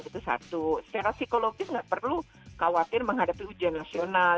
itu satu secara psikologis nggak perlu khawatir menghadapi ujian nasional